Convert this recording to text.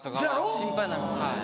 心配になりますはい。